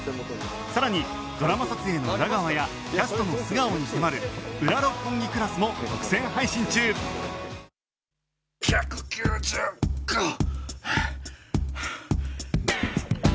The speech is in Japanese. さらにドラマ撮影の裏側やキャストの素顔に迫る『ウラ六本木クラス』も独占配信中１９５ハァハァ。